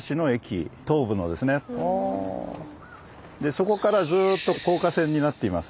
そこからずっと高架線になっています。